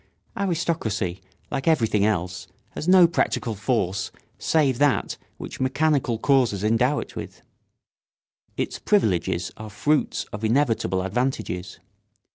] Aristocracy, like everything else, has no practical force save that which mechanical causes endow it with. Its privileges are fruits of inevitable advantages.